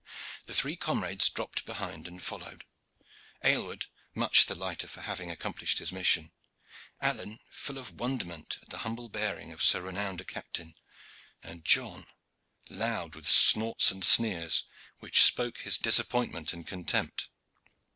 The three comrades dropped behind and followed: Aylward much the lighter for having accomplished his mission, Alleyne full of wonderment at the humble bearing of so renowned a captain, and John loud with snorts and sneers, which spoke his disappointment and contempt.